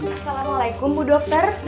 assalamualaikum bu dokter